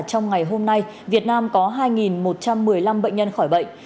trong ngày hôm nay việt nam có hai một trăm một mươi năm bệnh nhân khỏi bệnh